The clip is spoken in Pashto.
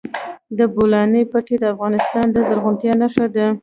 د بولان پټي د افغانستان د زرغونتیا نښه ده.